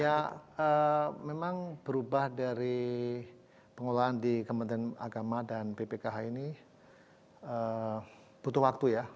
ya memang berubah dari pengelolaan di kementerian agama dan bpkh ini butuh waktu ya